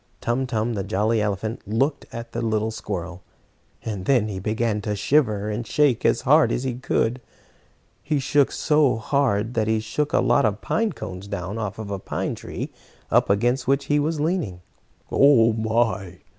Tum Tum, the jolly elephant, looked at the little squirrel, and then he began to shiver and shake as hard as he could. He shook so hard that he shook a lot of pine cones down off a pine tree up against which he was leaning. "Oh my!